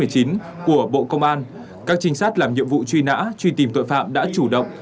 các trinh sát làm nhiệm vụ truy nã truy tìm tội phạm đã chủ động